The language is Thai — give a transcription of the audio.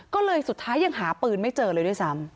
ก็เลยสุดท้ายยังหาปืนไม่เจอเลยด้วยซ้ำ